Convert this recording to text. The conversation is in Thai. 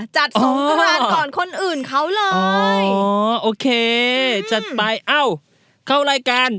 สงกรานก่อนคนอื่นเขาเลยอ๋อโอเคจัดไปเอ้าเข้ารายการ